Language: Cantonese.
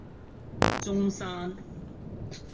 中山